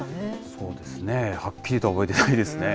そうですね。はっきりとは覚えてないですね。